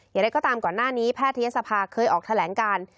อย่างไรก็ตามก่อนหน้านี้แพทยศภาเคยออกแถลงการ